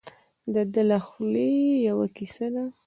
دده د خولې یوه کیسه ده.